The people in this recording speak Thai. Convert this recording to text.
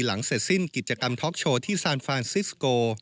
หลังเสร็จสิ้นกิจกรรมท็อกโชว์ที่ซานฟานซิสโก